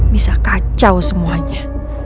bisa kacau semuanya